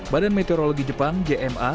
badan meteorologi jepang jma